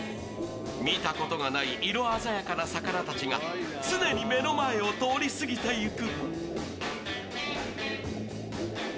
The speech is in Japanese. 見たことがない色鮮やかな魚たちが、常に目の前を通り過ぎていく。